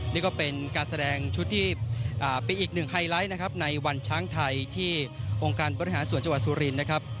นี่ก็เป็นการแสดงชุดที่เป็นอีกหนึ่งไฮไลท์นะครับในวันช้างไทยที่องค์การบริหารส่วนจังหวัดสุรินทร์นะครับ